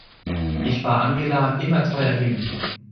Ich war Angela immer treu ergeben.